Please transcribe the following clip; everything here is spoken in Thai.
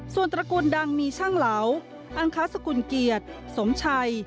ส่วนตระกูลดังมีช่างเหลาอังคสกุลเกียรติสมชัย